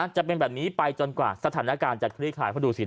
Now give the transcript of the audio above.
จะเป็นแบบนี้ไปจนกว่าสถานการณ์จะคลิกหลาย